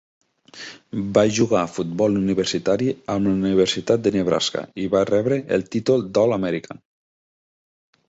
Va jugar a futbol universitari amb la universitat de Nebraska i va rebre el títol d'All-American.